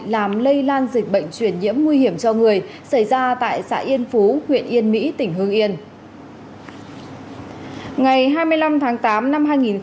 làm lây lan dịch bệnh truyền nhiễm nguy hiểm cho người xảy ra tại xã yên phú huyện yên mỹ tỉnh hương yên